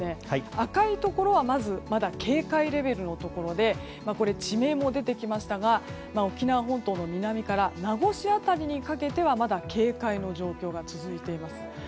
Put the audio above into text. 赤いところはまだ警戒レベルのところで地名も出てきましたが沖縄本島の南から名護市辺りにかけてはまだ警戒の状況が続いています。